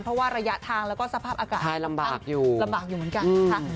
เพราะว่าระยะทางแล้วก็สภาพอากาศลำบากอยู่เหมือนกันนะคะ